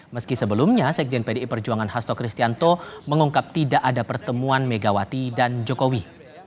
meski sebelumnya sekjen pdi perjuangan hasto kristianto mengungkap tidak ada pertemuan megawati dan jokowi